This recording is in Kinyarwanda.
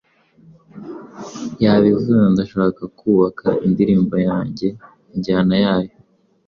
yabivuze ndashaka kubaka indirimbo yanjye, injyana yayo,